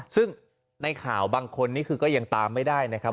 ซึ่งในข่าวบางคนนี้คือก็ยังตามไม่ได้นะครับ